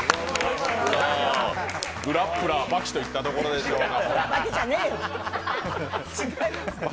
「グラップラー刃牙」といったところでしょうか。